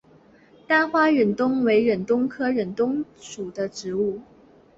单花忍冬为忍冬科忍冬属的植物。